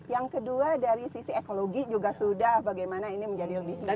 yang kedua dari sisi ekologi juga sudah bagaimana ini menjadi lebih baik